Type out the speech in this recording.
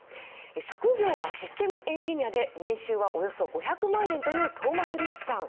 職業はシステムエンジニアで年収はおよそ５００万円というトーマス・リッチさん。